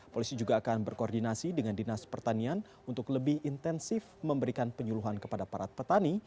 polisi juga akan berkoordinasi dengan dinas pertanian untuk lebih intensif memberikan penyuluhan kepada para petani